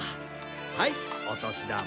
はいお年玉。